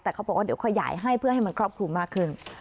แต่เขาบอกว่าเดี๋ยวขยายให้เพื่อให้มันครอบคลุมมากขึ้น